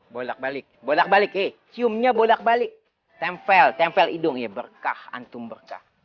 bolak balik bolak balik eh ciumnya bolak balik tempel tempel hidung ya berkah antum berkah